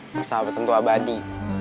persahabatan tuh abadi